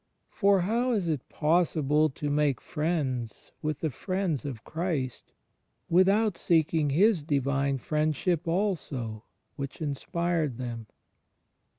For how is it possible to make friends with the friends of Christ, without seeking His Divine Friendship also which inspired them?